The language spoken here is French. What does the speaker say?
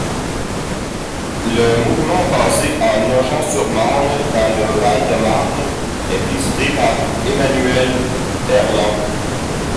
Le mouvement, basé à Nogent-sur-Marne dans le Val-de-Marne, est présidé par Emmanuel Berland.